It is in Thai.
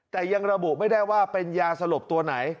แต่ยังระบุไม่ได้ว่าเป็นยาสลบตัวไหน